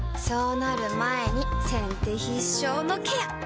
そうなる前に先手必勝のケア！